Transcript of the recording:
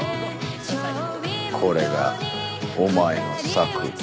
これがお前の策。